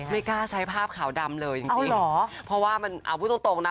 ไม่กล้าใช้ภาพขาวดำเลยจริงจริงเพราะว่ามันเอาพูดตรงตรงนะ